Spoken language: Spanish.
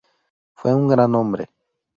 Fue un gran Hombre.